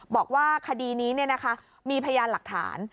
บอกว่าคดีนี้มีพยานหลักฐาน